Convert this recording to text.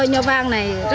nho vang này rất là hiệu quả